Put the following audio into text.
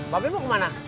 babe mau kemana